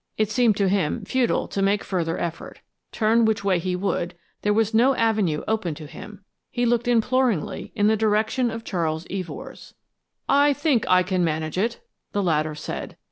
It seemed to him futile to make further effort. Turn which way he would, there was no avenue open to him. He looked imploringly in the direction of Charles Evors. "I think I can manage it," the latter said.